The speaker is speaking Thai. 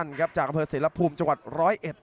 นี่ครับจังหวะขวางแล้วพยายามจะเล่นงานด้วยซอกแต่วงใน